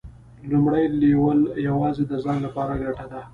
لومړی لیول یوازې د ځان لپاره ګټه ده.